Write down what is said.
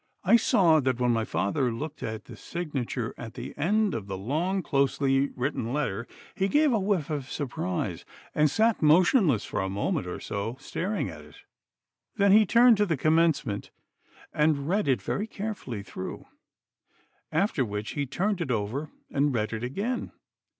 I saw that when my father looked at the signature at the end of the long, closely written letter he gave a whiff of surprise and sat motionless for a moment or so staring at it. Then he turned to the commencement and read it very carefully through, after which he turned it over and read it again.